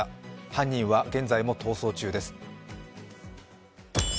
犯人は現在も逃走中です。